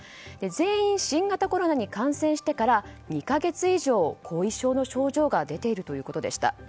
全員、新型コロナに感染してから２か月以上後遺症の症状が出ているということでした。